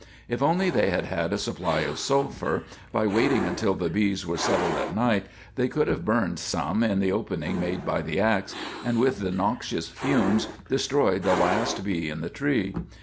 If only they had had a supply of sulphur, by waiting until the bees were settled at night, they could have burned some in the opening made by the ax, and with the noxious fumes destroyed the last bee in the tree.